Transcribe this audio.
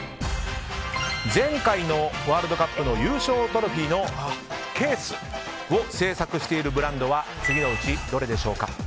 前回のワールドカップの優勝トロフィーのケースを制作したブランドは次のうちどれでしょうか？